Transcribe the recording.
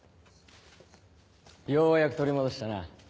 ようやく取り戻したな。